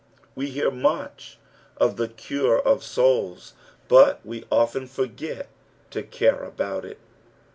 We hear much ol the cure of souls, but we often forget to care about it.